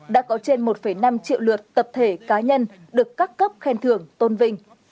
đã có trên một năm triệu lượt tập thể cá nhân được các cấp khen thưởng tôn vinh